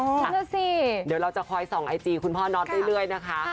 เดี๋ยวเราจะคอยส่องไอจีคุณพ่อน้อยเรื่อยนะคะ